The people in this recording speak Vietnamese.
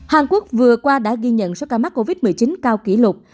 hàn quốc vừa qua đã ghi nhận số ca mắc covid một mươi chín cao kỷ lục